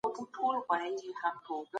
لخوا لیکل سوی دی؟